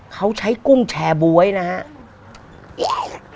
เขาใช้กุ้งแชร์บ๊วยนะครับ